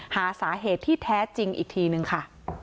หาสาเหตุที่แท้จริงอีกทีนึงค่ะ